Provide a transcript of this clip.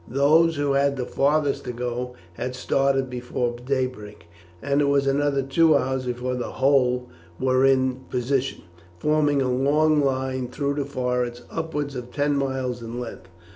Those who had the farthest to go had started before daybreak, and it was another two hours before the whole were in position, forming a long line through the forest upwards of ten miles in length.